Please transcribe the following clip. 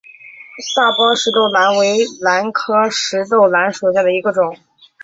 大苞石豆兰为兰科石豆兰属下的一个种。